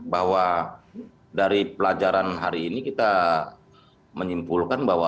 bahwa dari pelajaran hari ini kita menyimpulkan bahwa